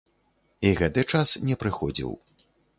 І гэты час не прыходзіў.